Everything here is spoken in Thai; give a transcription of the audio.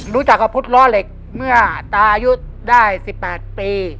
รู้จักกับพุทธล้อเหล็กเมื่อตาอายุได้๑๘ปี